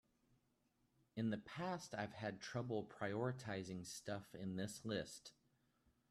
In the past I've had trouble prioritizing stuff in this list.